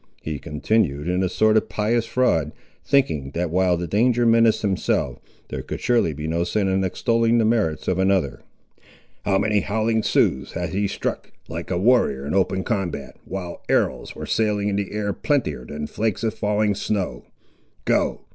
he continued in a sort of pious fraud, thinking, that while the danger menaced himself, there could surely be no sin in extolling the merits of another; "how many howling Siouxes has he struck, like a warrior in open combat, while arrows were sailing in the air plentier than flakes of falling snow! Go!